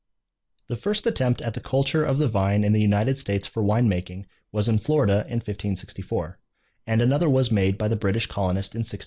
The first attempt at the culture of the vine in the United States for wine making was in Florida in 1564; and another was made by the British colonist in 1620.